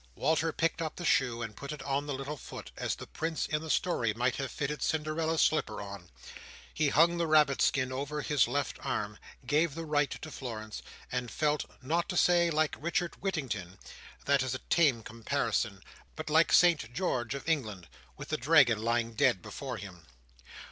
Walter picked up the shoe, and put it on the little foot as the Prince in the story might have fitted Cinderella's slipper on. He hung the rabbit skin over his left arm; gave the right to Florence; and felt, not to say like Richard Whittington—that is a tame comparison—but like Saint George of England, with the dragon lying dead before him.